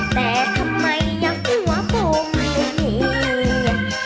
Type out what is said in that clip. แต่ทำไมยังหัวผมเหนี่ย